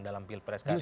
dalam pilpres kali ini